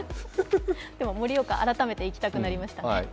でも盛岡、改めて行きたくなりましたね。